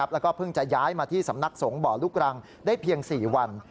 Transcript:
แล้วก็เพิ่งจะย้ายมาที่สำนักสงฆ์บ่อลูกรังได้เพียง๔วัน